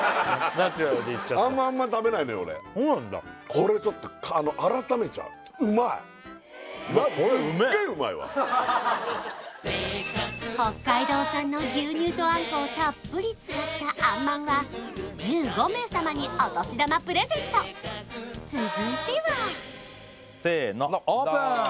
俺そうなんだこれちょっと北海道産の牛乳とあんこをたっぷり使ったあんまんは１５名様にお年玉プレゼント続いてはせのオープン！